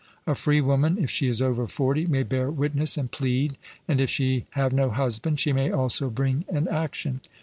A free woman, if she is over forty, may bear witness and plead, and, if she have no husband, she may also bring an action.